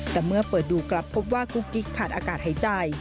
แต่เมื่อเปิดดูกลับพบว่ากุ๊กกิ๊กขาดอากาศหายใจ